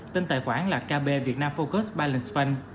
tên tài khoản là kb việt nam focus balance fund